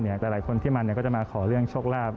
แต่หลายคนที่มาก็จะมาขอเรื่องโชคลาภ